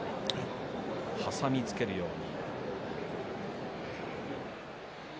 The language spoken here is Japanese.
挟みつけるように。